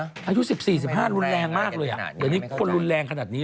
อายุ๑๐๑๕ลุนแรงมากเลยเดินทางคนลุนแรงขนาดนี้